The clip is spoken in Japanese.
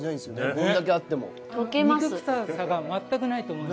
これだけあっても。